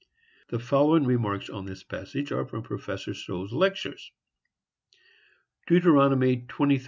The following remarks on this passage are from Prof. Stowe's lectures: Deuteronomy 23:15,16.